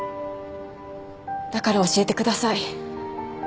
だから教えてください。